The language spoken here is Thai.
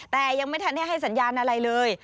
แต่ยังไม่ทันได้ให้สัญญาณอะไรเลย